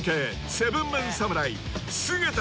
７ＭＥＮ侍菅田